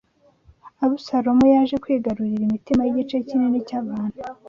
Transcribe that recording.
Abusalomu yaje kwigarurira imitima y’igice kinini cy’abantu